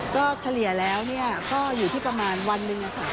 ก็เฉลี่ยแล้วก็อยู่ที่ประมาณวันหนึ่งค่ะ